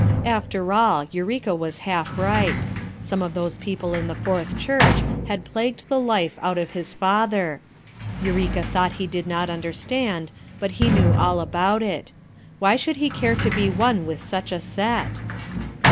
After all, Eureka was half right ; some of those people in the Fourth Church had plagued the life out of his father; Eureka thought he did not understand, but he knew all about it ; why should he care to be one with such a set?